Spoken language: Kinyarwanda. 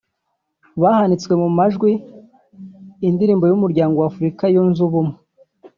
bahanitse mu majwi indirimbo y’Umuryango wa Afurika Yunze Ubumwe